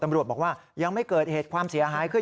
ตำรวจบอกว่ายังไม่เกิดเหตุความเสียหายขึ้น